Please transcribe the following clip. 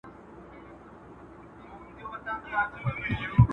ماشومان د میلاټونین په مرسته ویده کېږي.